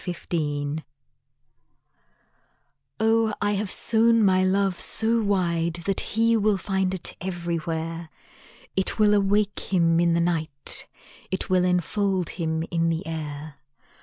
After Parting Oh, I have sown my love so wide That he will find it everywhere; It will awake him in the night, It will enfold him in the air.